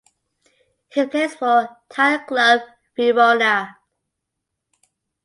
He plays for Italian club Verona.